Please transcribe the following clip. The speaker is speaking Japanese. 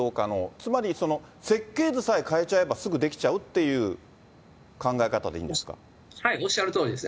つまり、設計図さえ変えちゃえば、すぐできちゃうっていう考え方でいいんおっしゃるとおりです。